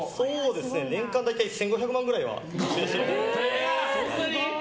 年間、大体１５００万くらいは。